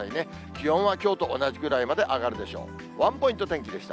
気温はきょうと同じぐらいまで上がるでしょう。